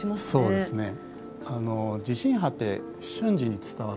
そうですね。